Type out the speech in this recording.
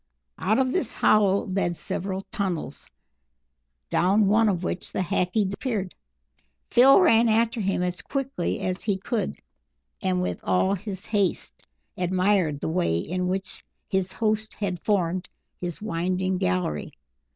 Out of this hollow led several tunnels, down one of which the Hackee disappeared. Phil ran after him as quickly as he could, and with all his haste, admired the way in which his host had formed his winding gallery.